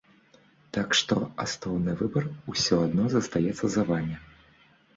Так што, асноўны выбар усё адно застаецца за вамі.